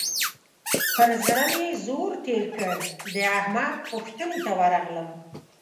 پر زړه مې زور تېر کړ؛ د احمد پوښتنې ته ورغلم.